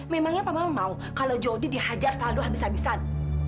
memangnya pak mama mau kalau jody dihajar taldo habis habisan